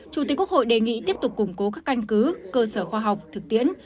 chủ tịch quốc hội đề nghị tiếp tục củng cố các căn cứ cơ sở khoa học thực tiễn